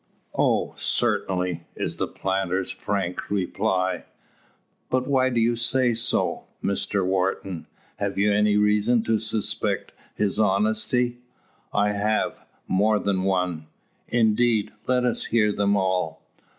"Oh, certainly," is the planter's frank reply. "But why do you say so, Mr Wharton? Have you any reason to suspect his honesty?" "I have; more than one." "Indeed! Let us hear them all."